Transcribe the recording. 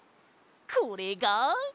これが！